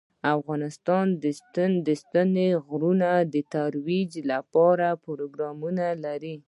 افغانستان د ستوني غرونه د ترویج لپاره پروګرامونه لري.